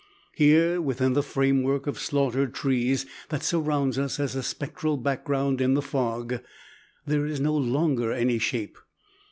Here, within the framework of slaughtered trees that surrounds us as a spectral background in the fog, there is no longer any shape.